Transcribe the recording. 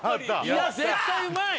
いや絶対うまい！